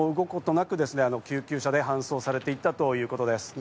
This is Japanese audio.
救急車に搬送されていったということです。